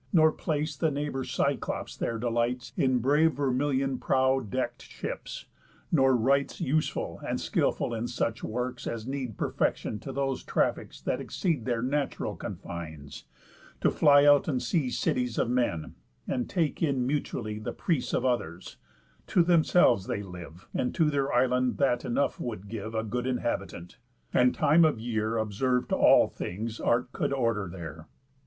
Nor place the neighbour Cyclops their delights In brave vermilion prow deck'd ships; nor wrights Useful, and skilful in such works as need Perfection to those traffics that exceed Their natural confines, to fly out and see Cities of men, and take in mutually The prease of others; to themselves they live, And to their island that enough would give A good inhabitant; and time of year Observe to all things art could order there.